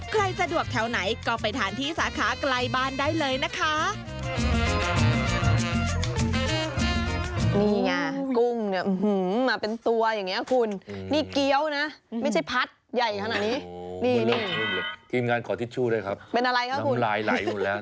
สะดวกแถวไหนก็ไปทานที่สาขาไกลบ้านได้เลยนะคะ